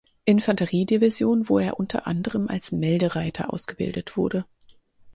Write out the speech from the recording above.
Infanterie-Division, wo er unter anderem als Meldereiter ausgebildet wurde.